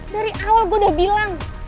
dari awal gue udah bilang